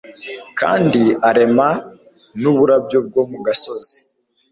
kandi arema n'uburabyo bwo mu gasozi.